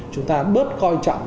chúng ta bớt coi trọng